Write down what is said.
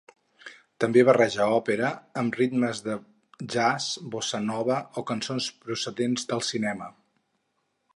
També barreja òpera amb ritmes de jazz, bossa nova o cançons procedents del cinema.